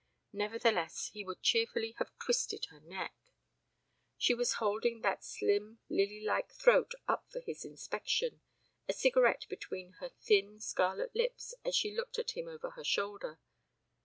Nevertheless, he would cheerfully have twisted her neck. She was holding that slim lily like throat up for his inspection, a cigarette between her thin scarlet lips as she looked at him over her shoulder.